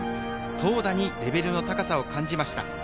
投打にレベルの高さを感じました。